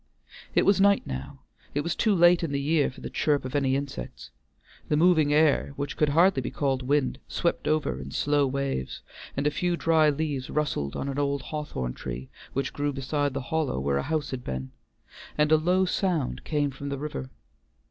It was night now; it was too late in the year for the chirp of any insects; the moving air, which could hardly be called wind, swept over in slow waves, and a few dry leaves rustled on an old hawthorn tree which grew beside the hollow where a house had been, and a low sound came from the river.